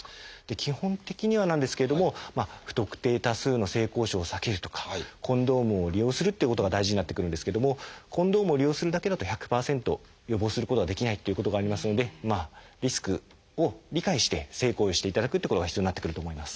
基本的にはなんですけれども不特定多数の性交渉を避けるとかコンドームを利用するっていうことが大事になってくるんですけどもコンドームを利用するだけだと１００％予防することができないっていうことがありますのでリスクを理解して性行為をしていただくってことが必要になってくると思います。